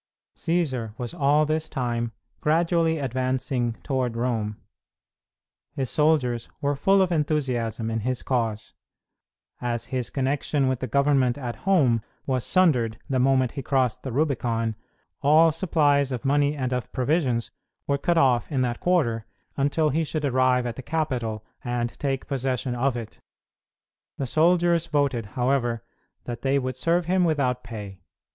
Cćsar was all this time gradually advancing toward Rome. His soldiers were full of enthusiasm in his cause. As his connection with the government at home was sundered the moment he crossed the Rubicon, all supplies of money and of provisions were cut off in that quarter until he should arrive at the capital and take possession of it. The soldiers voted, however, that they would serve him without pay.